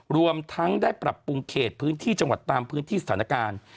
รวมทั้งได้ปรับปรุงเขตพื้นที่จังหวัดตามพื้นที่สถานการณ์